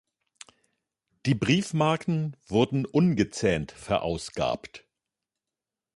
Die Briefmarken wurden ungezähnt verausgabt.